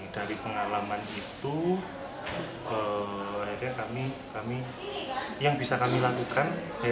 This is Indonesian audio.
dari pengalaman itu akhirnya kami yang bisa kami lakukan